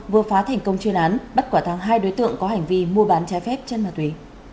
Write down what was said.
vừa phá thành công chuyên án bắt quả thắng hai đối tượng có hành vi mua bán trái phép chân ma túy